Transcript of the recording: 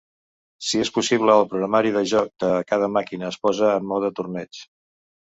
Si és possible, el programari del joc de cada màquina es posa en "mode torneig".